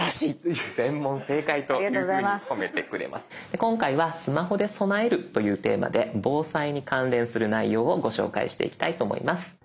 で今回はスマホで備えるというテーマで防災に関連する内容をご紹介していきたいと思います。